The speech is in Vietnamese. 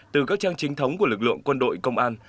từ các trang trinh thống của lực lượng quân đội công an